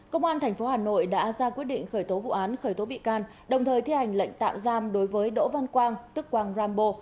công an tp hà nội đã ra quyết định khởi tố vụ án khởi tố bị can đồng thời thi hành lệnh tạm giam đối với đỗ văn quang tức quang rambo